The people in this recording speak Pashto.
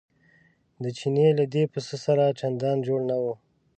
د چیني له دې پسه سره چندان جوړه نه وه.